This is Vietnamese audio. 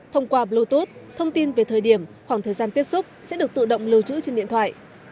thông qua bluetooth thông tin về thời điểm khoảng thời gian tiếp xúc sẽ được tự động lưu trữ trên điện thoại